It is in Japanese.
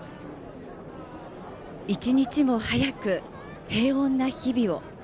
一日も早く、平穏な日々を。